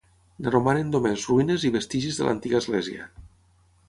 En romanen només ruïnes i vestigis de l'antiga església.